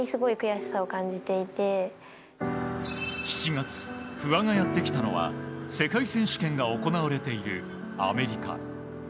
７月、不破がやってきたのは世界選手権が行われているアメリカ。